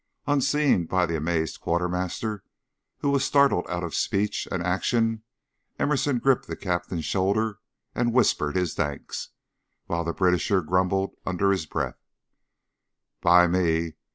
Unseen by the amazed quartermaster, who was startled out of speech and action, Emerson gripped the Captain's shoulder and whispered his thanks, while the Britisher grumbled under his breath: "Bli' me!